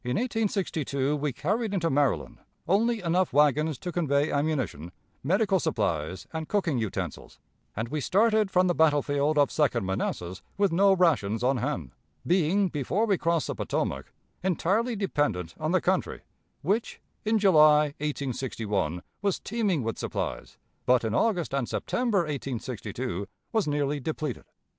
In 1862 we carried into Maryland only enough wagons to convey ammunition, medical supplies, and cooking utensils, and we started from the battle field of second Manassas with no rations on hand, being, before we crossed the Potomac, entirely dependent on the country, which, in July, 1861, was teeming with supplies, but in August and September, 1862, was nearly depleted.